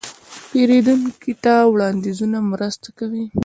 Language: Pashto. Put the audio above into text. پیرودونکي ته وړاندیزونه مرسته کوي.